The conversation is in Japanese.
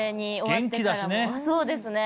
元気だしね。